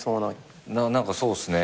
何かそうっすね